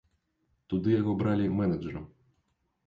Туды яго бралі менеджэрам.